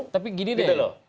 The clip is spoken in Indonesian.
tapi gini deh